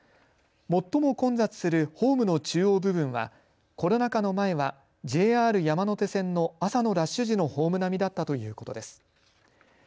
最も混雑するホームの中央部分はコロナ禍の前はＪＲ山手線の朝のラッシュ時のホーム並みだったということです。